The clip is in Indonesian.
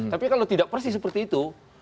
tapi kalau tidak persis seperti itu